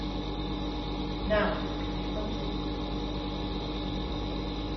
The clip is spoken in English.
Nouns can be fronted when topicalized.